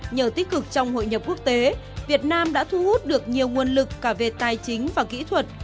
nhờ tích cực trong hội nhập quốc tế việt nam đã thu hút được nhiều nguồn lực cả về tài chính và kỹ thuật